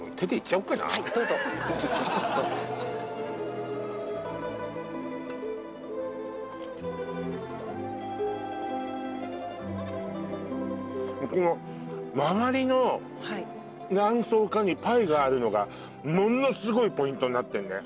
はいどうぞこのまわりの何層かにパイがあるのがものすごいポイントになってんね